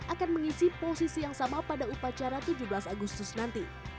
akan mengisi posisi yang sama pada upacara tujuh belas agustus nanti